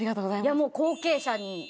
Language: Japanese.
いやもう後継者に。